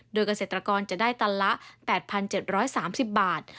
โดยเกษตรกรจะได้ตันละ๘๗๓๐บาท